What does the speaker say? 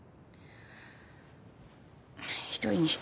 一人にして。